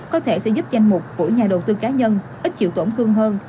có thể sẽ giúp danh mục của nhà đầu tư cá nhân ít chịu tổn thương hơn